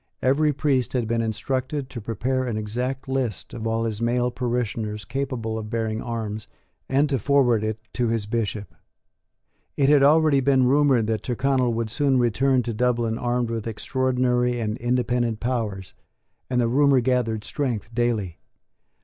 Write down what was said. Every priest had been instructed to prepare an exact list of all his male parishioners capable of bearing arms, and to forward it to his Bishop. It had already been rumoured that Tyrconnel would soon return to Dublin armed with extraordinary and independent powers; and the rumour gathered strength daily.